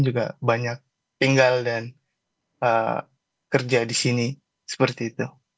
juga banyak tinggal dan kerja di sini seperti itu